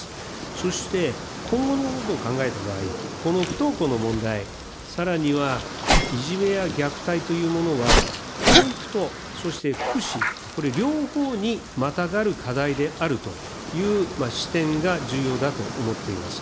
そして今後のことを考えた場合、この不登校の問題、さらにはいじめや虐待というものは、教育と、そして福祉、これ、両方にまたがる課題であるという視点が重要だと思っています。